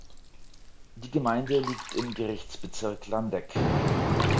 Die Gemeinde liegt im Gerichtsbezirk Landeck.